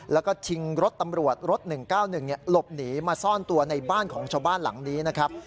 แล้วก็ชิงรถตำรวจรถ๑๙๑หลบหนีมาซ่อนตัวในบ้านของชาวบ้านหลังนี้นะครับ